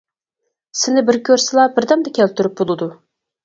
سېنى بىر كۆرسىلا بىردەمدە كەلتۈرۈپ بولىدۇ.